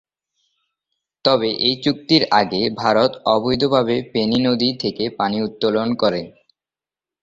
তবে এই চুক্তির আগে ভারত অবৈধভাবে ফেনী নদী থেকে পানি উত্তোলন করে।